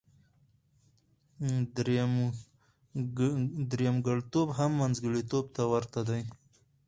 درېمګړتوب هم منځګړتوب ته ورته دی.